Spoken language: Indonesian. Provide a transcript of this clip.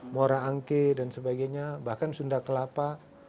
mora angke dan sebagainya bahkan sunda kelapa